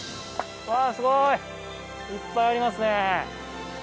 わあすごい！いっぱいありますね。